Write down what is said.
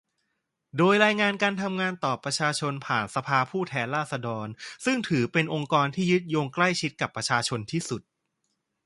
โดยรายงานการทำงานต่อประชาชนผ่านสภาผู้แทนราษฎร ซึ่งถือเป็นองค์กรที่ยึดโยงใกล้ชิดกับประชาชนที่สุด